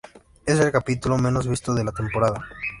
Es el capítulo menos visto de la temporada.